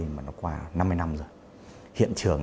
mang lại hiệu quả